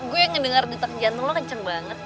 gue yang denger detak jantung lu kenceng banget